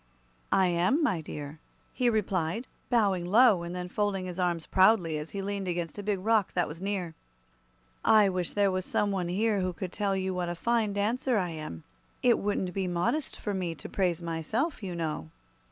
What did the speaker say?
"I am, my dear," he replied, bowing low and then folding his arms proudly as he leaned against a big rock that was near. "I wish there was some one here who could tell you what a fine dancer I am. It wouldn't be modest for me to praise myself, you know."